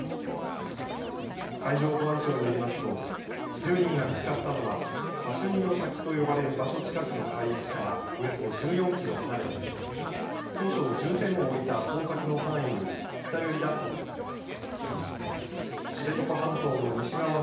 海上保安庁によりますと１０人が見つかったのはカシュニの滝と呼ばれる場所の近くの海域からおよそ１４キロ離れていて当初重点を置いた捜索の範囲より北寄りだったということです。